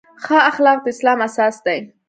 ښه اخلاق د اسلام اساس دی.